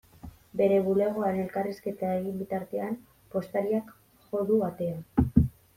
Bere bulegoan elkarrizketa egin bitartean, postariak jo du atea.